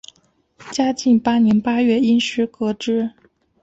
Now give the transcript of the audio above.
嘉庆八年八月因事革职。